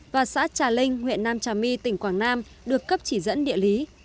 và xã trà linh huyện nam trà my tỉnh quảng nam được cấp chỉ dẫn địa lý